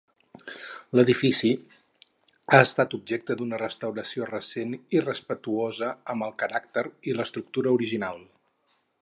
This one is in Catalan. L'edifici ha estat objecte d'una restauració recent irrespectuosa amb el caràcter i l'estructura original.